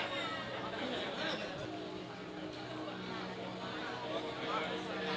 คือของมีความสงสัยกันเลย